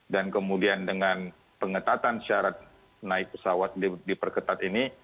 dan kemudian dengan pengetatan syarat naik pesawat diperketat ini